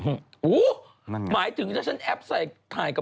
หมายถึงถ้าฉันแอปใส่ถ่ายกับ